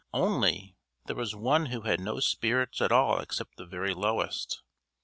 Only, there was one who had no spirits at all except the very lowest.